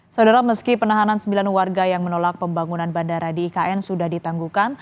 saudara meski penahanan sembilan warga yang menolak pembangunan bandara di ikn sudah ditangguhkan